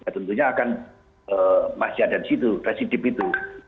tentunya akan masih ada di situ residip itu